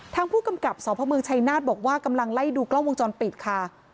ทางผู้กำกับสพเมืองชัยนาฏบอกว่ากำลังไล่ดูกล้องวงจรปิดค่ะ